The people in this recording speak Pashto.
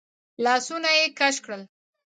لاسونه يې کش کړل.